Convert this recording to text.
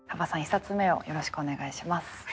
１冊目をよろしくお願いします。